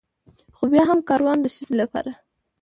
خو بيا هم کاروان د ښځې لپاره